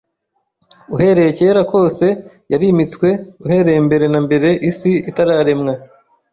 Uhereye kera kose yarimitswe, uhereye mbere na mbere isi itararemwa.